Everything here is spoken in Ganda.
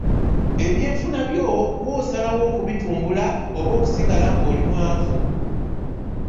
Ebyenfuna byo gw'asalawo okubitumbula oba okusigala ng'oli mwavu.